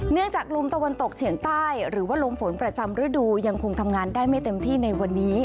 จากลมตะวันตกเฉียงใต้หรือว่าลมฝนประจำฤดูยังคงทำงานได้ไม่เต็มที่ในวันนี้